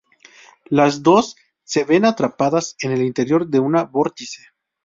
Las dos se ven atrapadas en el interior de un vórtice.